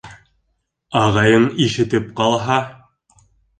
Ағайың ишетеп ҡалһа!